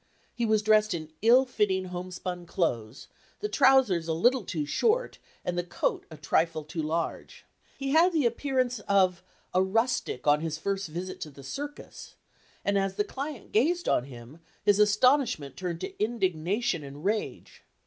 He was dressed in ill fitting home spun clothes, the trousers a little too short, and the coat a trifle too large. He had the appear ance "of a rustic on his first visit to the circus," and as the client gazed on him, his astonishment turned to indignation and rage.